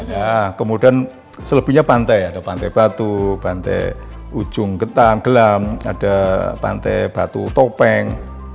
ya kemudian selebihnya pantai ada pantai batu pantai ujung ketang gelam ada pantai batu topeng